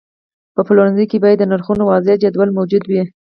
په پلورنځي کې باید د نرخونو واضحه جدول موجود وي.